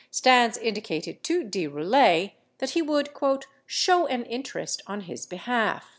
Stans indicated to De Roulet that he would "show an interest on his behalf."